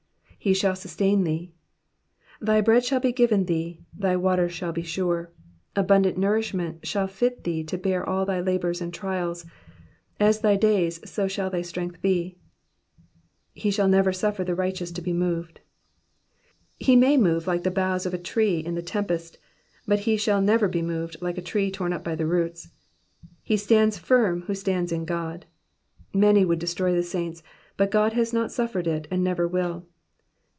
*' fle shall sustain thee.'''' Thy bread shall be given thee, thy waters shall be sure. Abundant nourishment shall fit thee to bear all thy labours and trials. As thy days so shall thy strength be. *'ifo shaU fitter suffer the righteous to be moved.'''' He may move like the boughs of a tree in the tempest, but he shall never be moved like a tree torn up by the roots. He stands firm who stands in God. Many would destroy the saints, but God has not suffered it, and never will.